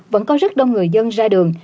vẫn có rất đông người dân ra đường